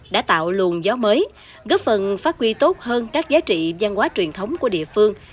đã tạo luồn gió mới góp phần phát huy tốt hơn các giá trị văn hóa truyền thống của địa phương